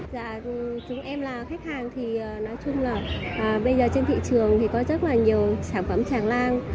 dạ chúng em là khách hàng thì nói chung là bây giờ trên thị trường thì có rất là nhiều sản phẩm tràng lan